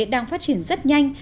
đang phát triển rất nhanh